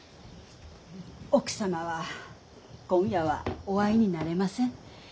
奥様は今夜はお会いになれません。